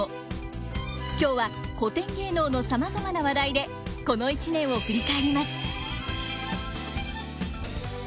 今日は古典芸能のさまざまな話題でこの一年を振り返ります。